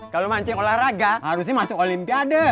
kalau mancing olahraga harusnya masuk olimpiade